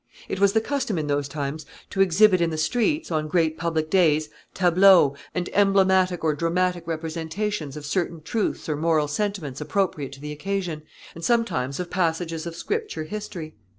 It was the custom in those times to exhibit in the streets, on great public days, tableaux, and emblematic or dramatic representations of certain truths or moral sentiments appropriate to the occasion, and sometimes of passages of Scripture history.